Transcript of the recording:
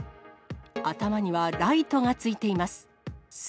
頭にはライトがついています。